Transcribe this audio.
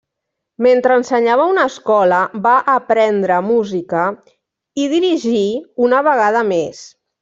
Mentre ensenyava a una escola, va aprendre música i dirigir una vegada més.